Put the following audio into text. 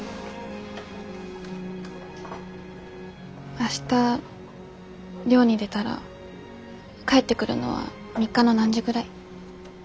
明日漁に出たら帰ってくるのは３日の何時ぐらい？